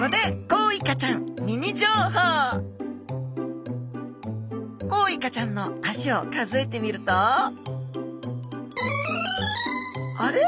コウイカちゃんの足を数えてみるとあれ？